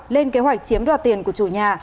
lên kế hoạch chiếm đoạt tiền của chủ nhà